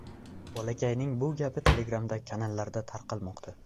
Bolakayning bu gapi Telegram’dagi kanallarda tarqalmoqda